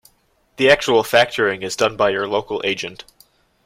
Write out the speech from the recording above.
The actual factoring is done by your local agent.